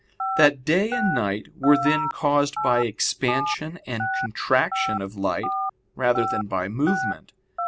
that day and night were then caused by expansion and contraction of light, rather than by movement.